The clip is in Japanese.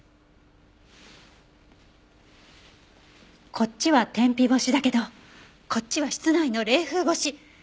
こっちは天日干しだけどこっちは室内の冷風干し。